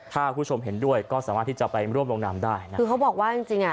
ถ้าคุณผู้ชมเห็นด้วยก็สามารถที่จะไปร่วมลงนามได้นะคือเขาบอกว่าจริงจริงอ่ะ